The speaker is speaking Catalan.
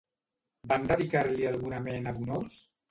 Van dedicar-li alguna mena d'honors?